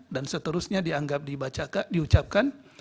dan seterusnya dianggap diucapkan